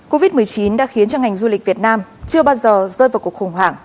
covid một mươi chín đã khiến cho ngành du lịch việt nam chưa bao giờ rơi vào cuộc khủng hoảng